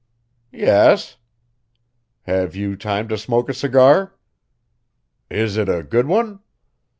"Yes." "Have you time to smoke a cigar?" "Is it a good one?"